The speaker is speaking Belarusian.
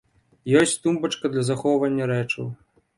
Ёсць тумбачка для захоўвання рэчаў.